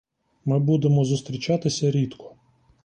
Ми будемо зустрічатися рідко.